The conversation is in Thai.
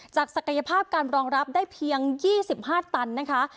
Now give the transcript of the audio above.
จากศักยภาพการรองรับได้เพียงยี่สิบห้าตันนะคะ